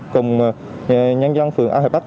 cùng nhân dân phường an hải bắc